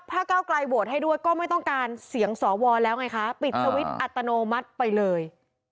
เก้าไกลโหวตให้ด้วยก็ไม่ต้องการเสียงสวแล้วไงคะปิดสวิตช์อัตโนมัติไปเลย